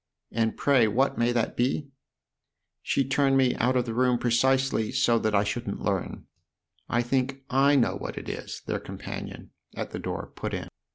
" And pray what may that be ?"" She turned me out of the room precisely so that I shouldn't learn." " I think / know what it is," their companion, at the door, put in.